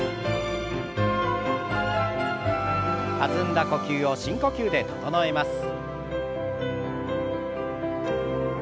弾んだ呼吸を深呼吸で整えます。